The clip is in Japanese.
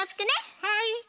はい。